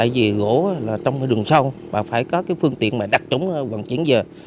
vì gỗ là trong đường sâu mà phải có cái phương tiện mà đặt trúng vận chuyển giờ